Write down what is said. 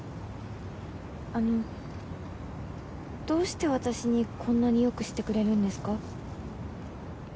あのどうして私にこんなに良くしてくれるんですか？